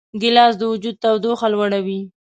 ګیلاس د وجود تودوخه لوړوي.